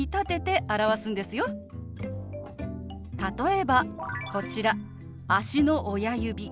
例えばこちら「足の親指」。